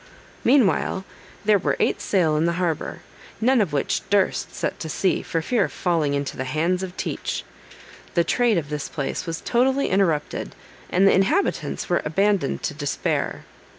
Meanwhile, there were eight sail in the harbor, none of which durst set to sea for fear of falling into the hands of Teach. The trade of this place was totally interrupted, and the inhabitants were abandoned to despair.